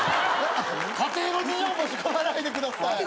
家庭の事情持ち込まないでください。